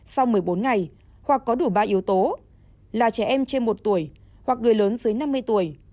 sau một mươi bốn ngày hoặc có đủ ba yếu tố là trẻ em trên một tuổi hoặc người lớn dưới năm mươi tuổi